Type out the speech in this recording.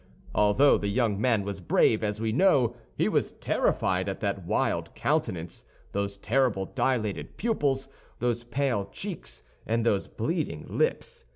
Although the young man was brave, as we know, he was terrified at that wild countenance, those terribly dilated pupils, those pale cheeks, and those bleeding lips.